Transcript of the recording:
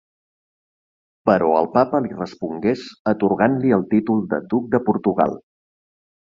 Però el papa li respongués atorgant-li el títol de duc de Portugal.